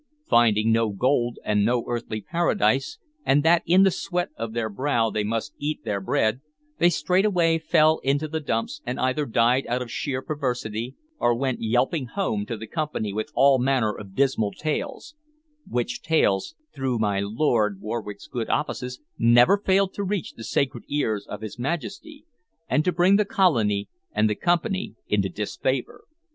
Finding no gold and no earthly paradise, and that in the sweat of their brow they must eat their bread, they straightway fell into the dumps, and either died out of sheer perversity, or went yelping home to the Company with all manner of dismal tales, which tales, through my Lord Warwick's good offices, never failed to reach the sacred ears of his Majesty, and to bring the colony and the Company into disfavor.